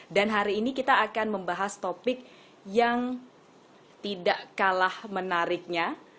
dan hari ini kita akan membahas topik yang tidak kalah menariknya